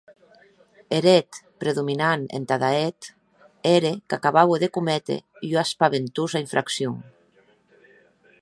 Eth hèt predominant entada eth ère, qu’acabaue de cométer ua espaventosa infraccion.